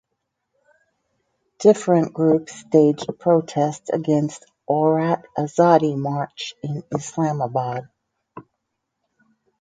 Different groups staged protests against Aurat Azadi March in Islamabad.